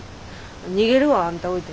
逃げるわあんた置いて。